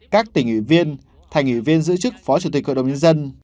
các tỉnh ủy viên thành ủy viên giữ chức phó chủ tịch hội đồng nhân dân